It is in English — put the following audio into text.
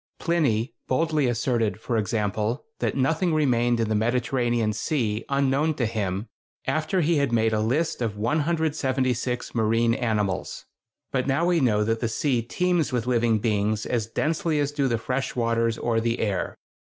Pliny boldly asserted, for example, that nothing remained in the Mediterranean Sea unknown to him after he had made a list of 176 marine animals! But now we know that the sea teems with living beings as densely as do the fresh waters or the air.